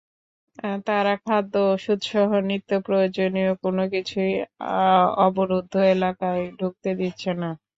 তারা খাদ্য, ওষুধসহ নিত্যপ্রয়োজনীয় কোনো কিছুই অবরুদ্ধ এলাকায় ঢুকতে দিচ্ছে না।